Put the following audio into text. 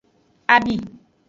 Abi.